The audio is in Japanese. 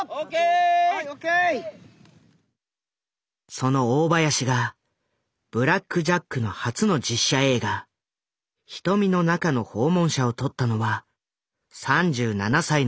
その大林が「ブラック・ジャック」の初の実写映画「瞳の中の訪問者」を撮ったのは３７歳の時だった。